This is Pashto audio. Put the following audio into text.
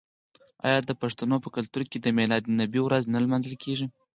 آیا د پښتنو په کلتور کې د میلاد النبي ورځ نه لمانځل کیږي؟